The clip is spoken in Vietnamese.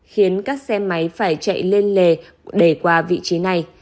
khiến các xe máy phải chạy lên lề để qua vị trí này